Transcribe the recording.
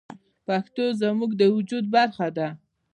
پښتو زموږ د وجود برخه ده.